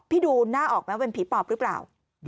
พี่ดูหน้าออกมาเป็นผีปลอบหรือเปล่า